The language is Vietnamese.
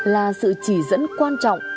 là sự chỉ dẫn quan trọng